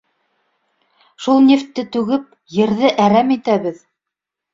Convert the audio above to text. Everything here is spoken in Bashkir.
Шул нефтте түгеп, ерҙе әрәм итәбеҙ